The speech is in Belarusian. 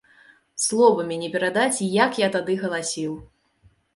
Словамі не перадаць, як я тады галасіў!